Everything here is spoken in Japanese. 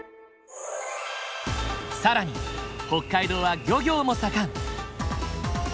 更に北海道は漁業も盛ん！